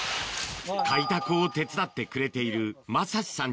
開拓を手伝ってくれている政志さん